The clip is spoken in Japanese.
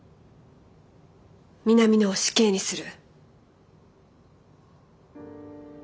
南野を死刑にする。